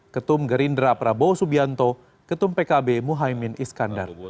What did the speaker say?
ketum gerindra prabowo subianto ketum pkb muhaymin iskandar